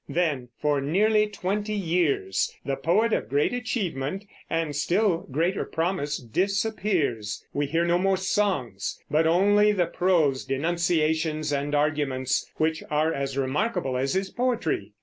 Then for nearly twenty years the poet of great achievement and still greater promise disappears. We hear no more songs, but only the prose denunciations and arguments which are as remarkable as his poetry.